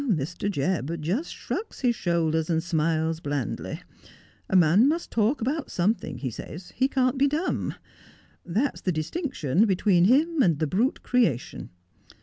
Mr. J ebb just shrugs his shoulders and smiles blandly. " A man must talk about something," he says, " he can't be dumb. That's the distinction between him and the brute creation."